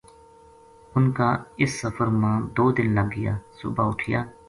انھ کا اس سفر ما دو دن لگ گیا صبح اُٹھیا